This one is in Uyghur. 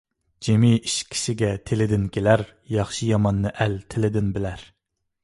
جىمى ئىش كىشىگە تىلىدىن كېلەر، ياخشى - ياماننى ئەل تىلىدىن بىلەر.